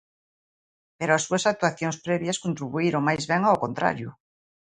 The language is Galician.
Pero as súas actuacións previas contribuíron máis ben ao contrario.